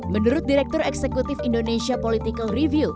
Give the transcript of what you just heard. menurut direktur eksekutif indonesia political review